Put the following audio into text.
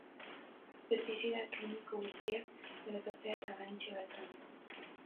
Pestizida kimiko guztiak debekatzea eta oraintxe bertan.